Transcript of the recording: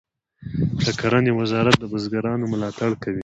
د کرنې وزارت د بزګرانو ملاتړ کوي